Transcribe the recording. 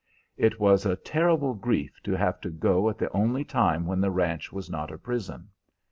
It was a terrible grief to have to go at the only time when the ranch was not a prison.